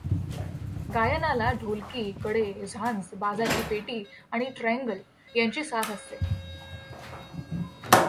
गायनाला ढोलकी, कडे, झांज, बाजाची पेटी आणि ट्रँगल यांची साथ असते.